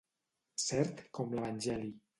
Cert com l'Evangeli.